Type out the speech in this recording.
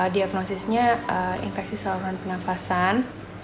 diagnosisnya infeksi seluruhan penafasan